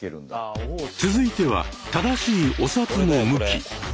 続いては正しいお札の向き。